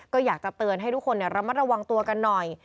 ก็อยากจะเตือนให้ทุกคนระมัดระวังตัวกันหน่อย